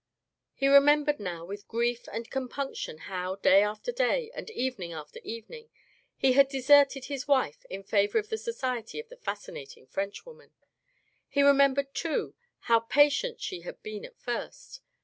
He remembered now with grief and compunction how day after day, and evening after evening, he had deserted his wife in favor of the society of the fascinating Frenchwoman. He remembered, too, how pa tient she had been at first.